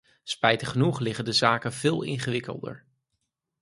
Spijtig genoeg liggen de zaken veel ingewikkelder.